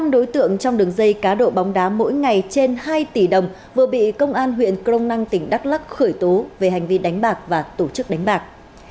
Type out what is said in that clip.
năm đối tượng trong đường dây cá độ bóng đá mỗi ngày trên hai tỷ đồng vừa bị công an huyện crong năng tỉnh đắk lắc khởi tố về hành vi đánh bạc và tổ chức đánh bạc